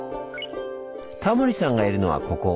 タモリさんがいるのはここ。